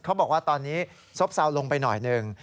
เขาบอกว่าตอนนี้ซบเซาลงไปหน่อยหนึ่ง